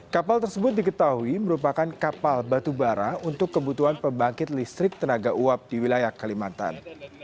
kapal tersebut diketahui merupakan kapal batubara untuk kebutuhan pembangkit listrik tenaga uap di wilayah kalimantan